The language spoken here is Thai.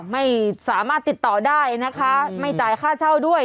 ไม่สามารถติดต่อได้นะคะไม่จ่ายค่าเช่าด้วย